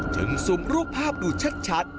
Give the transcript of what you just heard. จึงสุ่มรูปภาพดูชัด